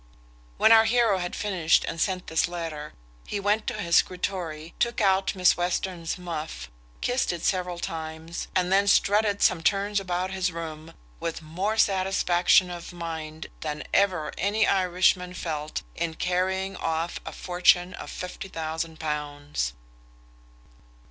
When our heroe had finished and sent this letter, he went to his scrutore, took out Miss Western's muff, kissed it several times, and then strutted some turns about his room, with more satisfaction of mind than ever any Irishman felt in carrying off a fortune of fifty thousand pounds.